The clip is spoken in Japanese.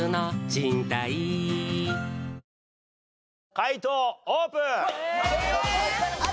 解答オープン！